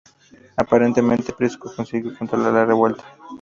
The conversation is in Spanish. Aparentemente, Prisco consiguió controlar la revuelta.